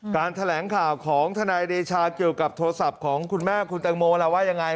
แถลงข่าวของทนายเดชาเกี่ยวกับโทรศัพท์ของคุณแม่คุณแตงโมล่ะว่ายังไง